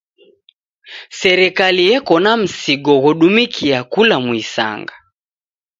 Serikali eko na msigo ghodumikia kula muisanga.